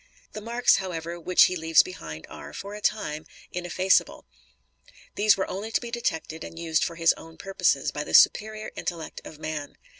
The marks, however, which he leaves behind are, for a time, ineffaceable. These were only to be detected and used for his own purposes, by the superior intellect of man.